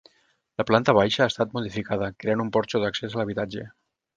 La planta baixa ha estat modificada creant un porxo d'accés a l'habitatge.